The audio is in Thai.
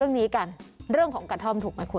เรื่องนี้กันเรื่องของกระท่อมถูกไหมคุณ